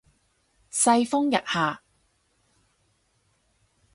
世風日下